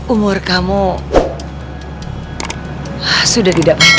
umur kamu sudah tidak penting lagi